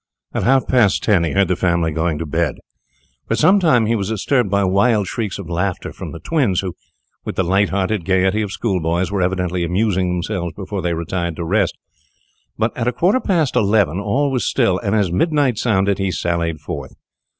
At half past ten he heard the family going to bed. For some time he was disturbed by wild shrieks of laughter from the twins, who, with the light hearted gaiety of schoolboys, were evidently amusing themselves before they retired to rest, but at a quarter past eleven all was still, and, as midnight sounded, he sallied forth.